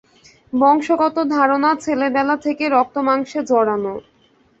বংশগত ধারণা, ছেলেবেলা থেকে রক্ত মাংসে জড়ানো।